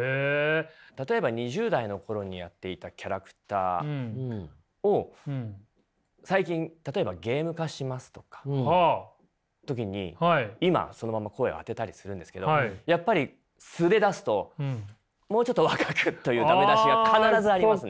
例えば２０代の頃にやっていたキャラクターを最近例えばゲーム化しますとか時に今そのまま声を当てたりするんですけどやっぱり素で出すと「もうちょっと若く」というダメ出しが必ずありますね。